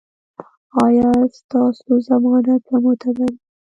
ایا ستاسو ضمانت به معتبر وي؟